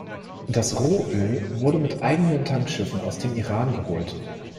Das Rohöl wurde mit eigenen Tankschiffen aus dem Iran geholt.